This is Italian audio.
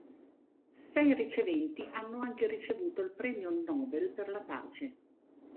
Sei riceventi hanno anche ricevuto il Premio Nobel per la Pace.